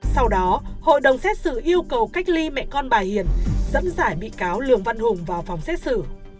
sau đó hội đồng xét xử yêu cầu cách ly mẹ con bà hiền dẫn giải bị cáo lường văn hùng vào phòng xét xử